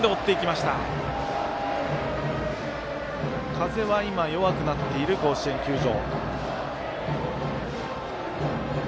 風は今弱くなっている甲子園球場。